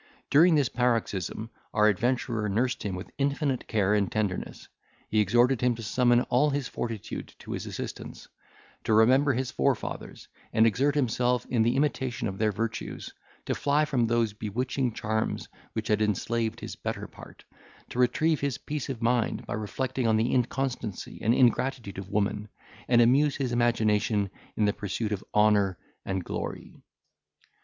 During this paroxysm, our adventurer nursed him with infinite care and tenderness, he exhorted him to summon all his fortitude to his assistance, to remember his forefathers, and exert himself in the imitation of their virtues, to fly from those bewitching charms which had enslaved his better part, to retrieve his peace of mind by reflecting on the inconstancy and ingratitude of woman, and amuse his imagination in the pursuit of honour and glory.